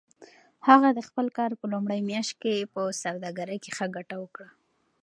هغه د خپل کار په لومړۍ میاشت کې په سوداګرۍ کې ښه ګټه وکړه.